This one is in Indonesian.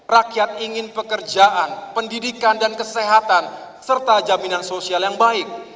rakyat ingin pekerjaan pendidikan dan kesehatan serta jaminan sosial yang baik